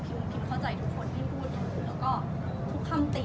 พิมพ์เข้าใจทุกคนที่พูดอย่างนี้